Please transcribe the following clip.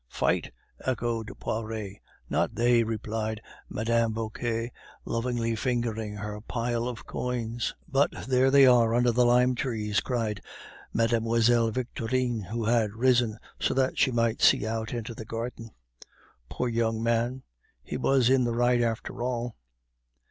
"Fight!" echoed Poiret. "Not they," replied Mme. Vauquer, lovingly fingering her pile of coins. "But there they are under the lime trees," cried Mlle. Victorine, who had risen so that she might see out into the garden. "Poor young man! he was in the right, after all."